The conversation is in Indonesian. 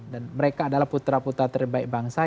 dan mereka adalah putra putra terbaik bangsa